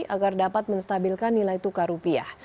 agar dapat menstabilkan nilai tukar rupiah